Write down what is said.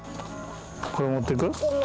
これ持ってく？